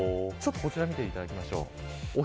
こちらを見ていただきましょう。